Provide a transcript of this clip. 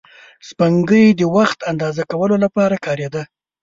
سپوږمۍ د وخت اندازه کولو لپاره کارېده